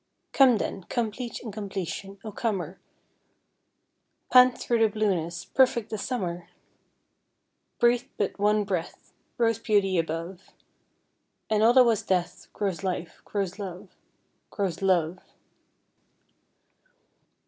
Come then, complete incompletion, O comer, Pant through the blueness, perfect the summer! Breathe but one breath Rose beauty above, And all that was death Grows life, grows love, Grows love!